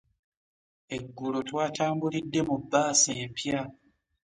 Eggulo twatambulidde mu baasi empya.